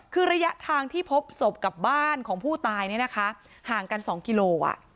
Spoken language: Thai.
คือระยะทางที่พบศพกับบ้านของผู้ตายเนี่ยนะคะห่างกัน๒กิโล